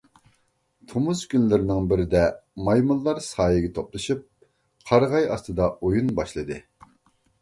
تومۇز كۈنلىرىنىڭ بىرىدە مايمۇنلار سايىگە توپلىشىپ، قارىغاي ئاستىدا ئويۇن باشلىدى.